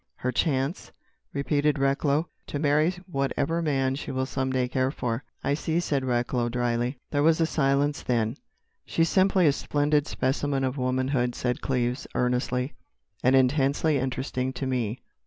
"Her chance?" repeated Recklow. "To marry whatever man she will some day care for." "I see," said Recklow drily. There was a silence, then: "She's simply a splendid specimen of womanhood," said Cleves earnestly. "And intensely interesting to me.